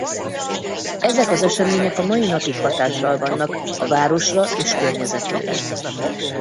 Ezek az események a mai napig hatással vannak a városra és környezetére.